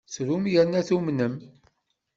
Trum yerna tumnem.